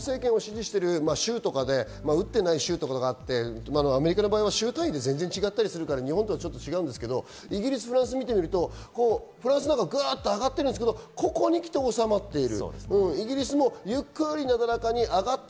トランプ政権を支持している州とかで、打っていない州とかがあって、アメリカの場合は州単位で全然違ったりするから日本とは違うんですがイギリス、フランスを見ると、フランスなんかはグッと上がってるんですけれども、ここにきて収まっている。